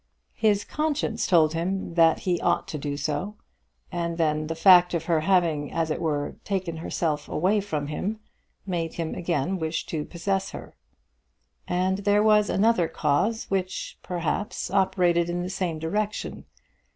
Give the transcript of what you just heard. His conscience told him that he ought to do so, and then the fact of her having, as it were, taken herself away from him, made him again wish to possess her. And there was another cause which, perhaps, operated in the same direction.